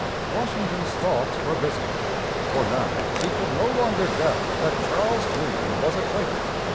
Washington's thoughts were busy, for now he could no longer doubt that Charles Lee was a traitor.